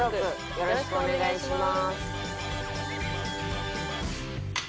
よろしくお願いします。